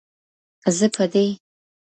زه په دې